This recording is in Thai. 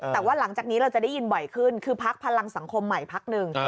แต่ว่าหลังจากนี้เราจะได้ยินบ่อยขึ้นคือพักพลังสังคมใหม่พักหนึ่ง